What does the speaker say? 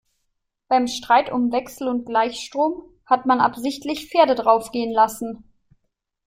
Beim Streit um Wechsel- und Gleichstrom hat man absichtlich Pferde draufgehen lassen.